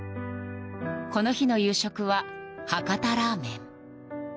この日の夕食は博多ラーメン。